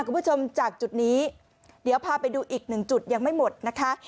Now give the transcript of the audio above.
คุณผู้ชมจากจุดนี้เดี๋ยวพาไปดูอีกหนึ่งจุดยังไม่หมดนะคะ